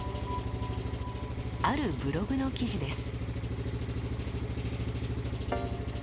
あるブログの記事です。